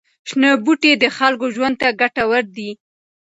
شنه بوټي د خلکو ژوند ته ګټور دي.